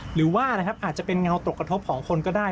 หรือว่านะครับอาจจะเป็นเงาตกกระทบของคนก็ได้